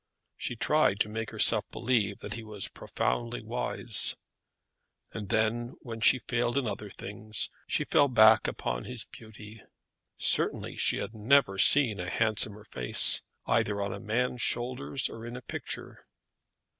She tried to make herself believe that he was profoundly wise. And then, when she failed in other things, she fell back upon his beauty. Certainly she had never seen a handsomer face, either on a man's shoulders or in a picture.